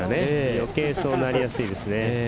余計そうなりやすいですね。